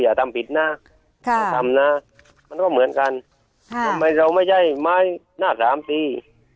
อย่าทำผิดนะอย่าทำนะมันก็เหมือนกันทำไมเราไม่ใช่ไม้หน้าสามตี